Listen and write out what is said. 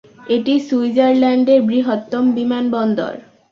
এটি সুইজারল্যান্ডের বৃহত্তম বিমানবন্দর।